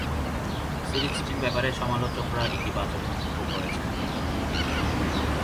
সিরিজটির ব্যাপারে সমালোচকরা ইতিবাচক মন্তব্য করেছেন।